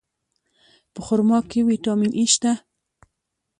په خرما کې ویټامین E شته.